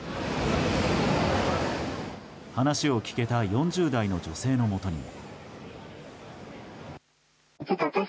話を聞けた４０代の女性のもとにも。